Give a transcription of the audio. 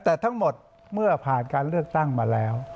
แต่ทั้งหมดเมื่อผ่านการเลือกตั้งมาแล้ว